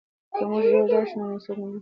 که موږ یو ځای شو نو څوک مو نه شي ماتولی.